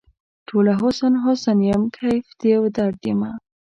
ټوله حسن ، حسن یم کیف د یوه درد یمه